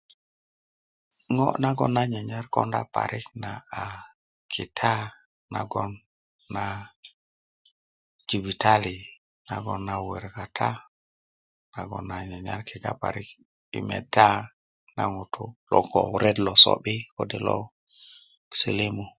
ŋo nagon nan nyanyar konda parik na a kita nagon na jibitali nagon nan woro kata a ko nan nyanyar meda na ŋutu loŋ ko ret lo so'bi kode silimu